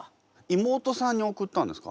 妹さんに送ったんですか？